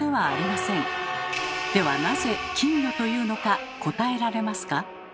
ではなぜ金魚というのか答えられますか？